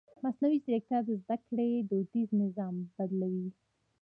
مصنوعي ځیرکتیا د زده کړې دودیز نظام بدلوي.